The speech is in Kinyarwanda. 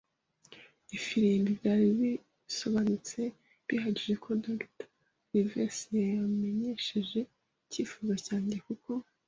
ifirimbi, byari bisobanutse bihagije ko Dr. Livesey yamenyesheje icyifuzo cyanjye, kuko